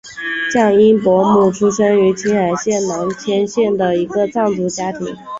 降央伯姆生于青海省囊谦县的一个藏族家庭。